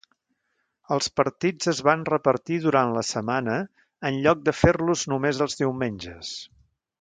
Els partits es van repartir durant la setmana en lloc de fer-los només els diumenges.